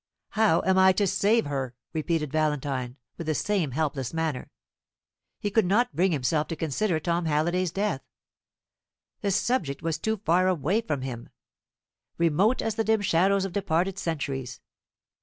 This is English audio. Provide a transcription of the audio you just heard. "How am I to save her?" repeated Valentine, with the same helpless manner. He could not bring himself to consider Tom Halliday's death. The subject was too far away from him remote as the dim shadows of departed centuries.